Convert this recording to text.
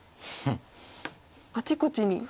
あちこちに。